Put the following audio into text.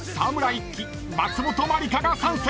一樹松本まりかが参戦！］